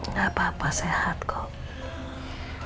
gak apa apa sehat kok